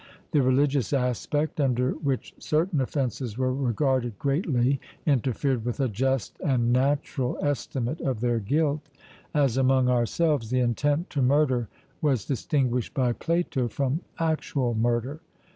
The religious aspect under which certain offences were regarded greatly interfered with a just and natural estimate of their guilt...As among ourselves, the intent to murder was distinguished by Plato from actual murder...